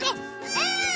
うん！